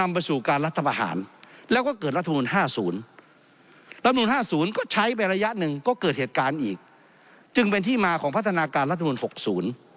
เป็นที่มาของพัฒนาการรัฐธรรมนุน๖ศูนย์